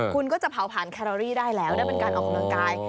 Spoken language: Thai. คุณก็จะเผาผ่านแครอรี่ได้แล้วได้เป็นการออกกำลังกาย